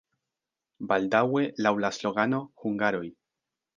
Baldaŭe laŭ la slogano "Hungaroj!